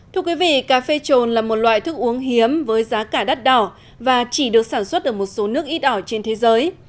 thưa quý vị cà phê trồn là một loại thức uống hiếm với giá cả đắt đỏ và chỉ được sản xuất ở một số nước ít ỏi trên thế giới